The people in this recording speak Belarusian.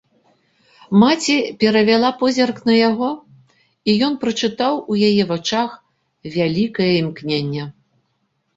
Маці перавяла позірк на яго, і ён прачытаў у яе вачах вялікае імкненне.